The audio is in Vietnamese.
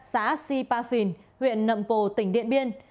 xã si pa phìn huyện nậm pồ tỉnh điện biên